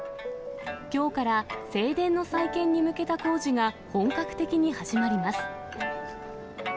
きょうから正殿の再建に向けた工事が、本格的に始まります。